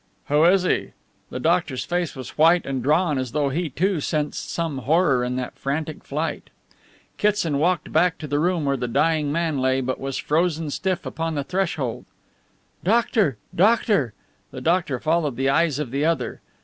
"Who is he?" The doctor's face was white and drawn as though he, too, sensed some horror in that frantic flight. Kitson walked back to the room where the dying man lay, but was frozen stiff upon the threshold. "Doctor doctor!" The doctor followed the eyes of the other.